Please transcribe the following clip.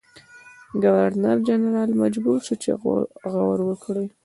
ګورنرجنرال مجبور شو چې غور وکړي.